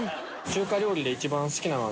中華料理で一番好きなの？